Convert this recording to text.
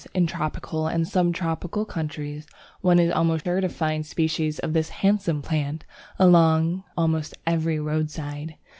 In tropical and sub tropical countries, one is almost sure to find specimens of this handsome plant along almost every roadside.